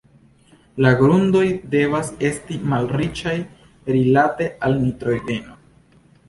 La grundoj devas esti malriĉaj rilate al nitrogeno.